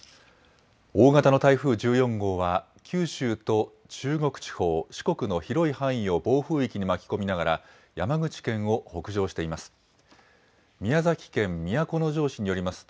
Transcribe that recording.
大型の台風１４号は、九州と中国地方、四国の広い範囲を暴風域に巻き込みながら、山口県を北上しています。